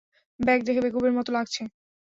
Bag দেখে বেকুবের মতো লাগছে।